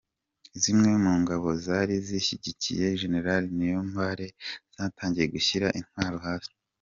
Zimwe mu ngabo zari zishyigikiye Gen Niyombare zatangiye gushyira intwaro hasi